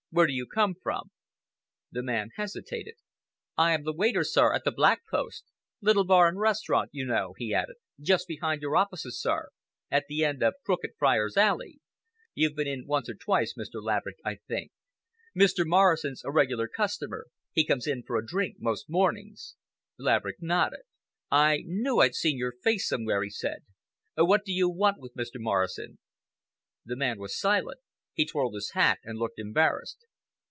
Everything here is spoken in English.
"Where do you come from?" The man hesitated. "I am the waiter, sir, at the 'Black Post,'—little bar and restaurant, you know," he added, "just behind your offices, sir, at the end of Crooked Friars' Alley. You've been in once or twice, Mr. Laverick, I think. Mr. Morrison's a regular customer. He comes in for a drink most mornings." Laverick nodded. "I knew I'd seen your face somewhere," he said. "What do you want with Mr. Morrison?" The man was silent. He twirled his hat and looked embarrassed.